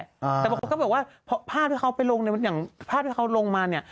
แต่บางคนก็บอกว่าภาพที่เขาไปลงเนี่ยอย่างภาพที่เขาลงมาเนี่ย